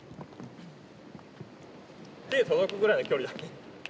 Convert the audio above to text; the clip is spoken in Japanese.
手届くぐらいの距離だね。